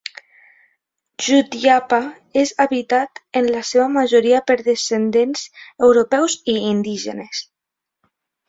Jutiapa és habitat en la seva majoria per descendents Europeus i Indígenes.